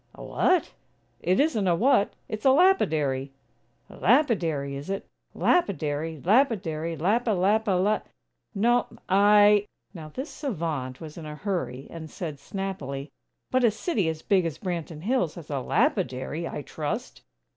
"A what?" "It isn't a 'what,' it's a lapidary." "Lapidary, is it? Lapidary, lapidary, lapi lapi la . No, I " Now this savant was in a hurry, and said, snappily: "But a city as big as Branton Hills has a lapidary, I trust!"